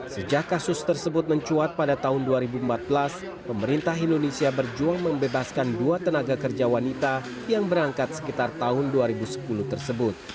sejak kasus tersebut mencuat pada tahun dua ribu empat belas pemerintah indonesia berjuang membebaskan dua tenaga kerja wanita yang berangkat sekitar tahun dua ribu sepuluh tersebut